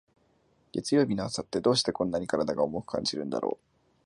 月曜日の朝って、どうしてこんなに体が重く感じるんだろう。